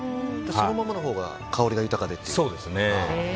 そのままのほうが香りが豊かでっていう。